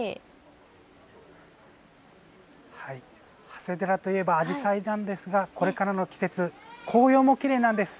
長谷寺といえばアジサイなんですがこれからの季節、紅葉もきれいなんです。